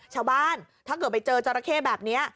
ชาวบ้านถ้าเกิดไปเจอจรเข้แบบนี้